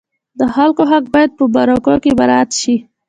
د خلکو حق باید په مرکو کې مراعت شي.